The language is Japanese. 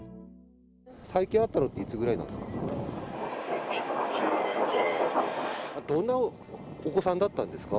最近、会ったのっていつぐらいなんですか？